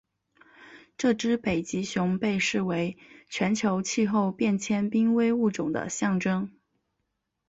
这只北极熊被视为全球气候变迁濒危物种的象征。